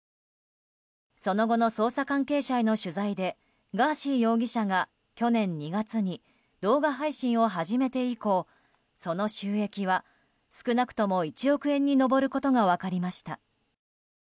その後の捜査関係者への取材でガーシー容疑者が去年２月に動画配信を始めて以降その収益は少なくとも１億円に上ることが分かりました。